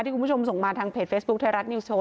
คุณผู้ชมส่งมาทางเพจเฟซบุ๊คไทยรัฐนิวโชว